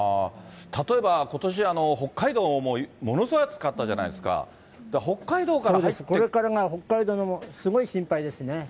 例えばことし、北海道もものすごく暑かったじゃないですか、これからが北海道のもの、すごい心配ですね。